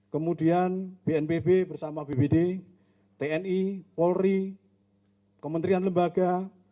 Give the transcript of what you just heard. kemudian bnpb bersama bpd tni polri kementerian lembaga